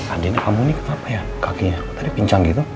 ah din kamu ini kenapa ya kakinya tadi pincang gitu